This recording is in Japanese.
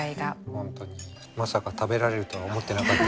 本当にまさか食べられるとは思ってなかった。